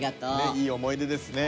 いい思い出ですね。